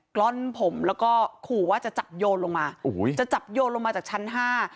กล้อนผมแล้วก็ขู่ว่าจะจับโยนลงมาโอ้โหจะจับโยนลงมาจากชั้นห้า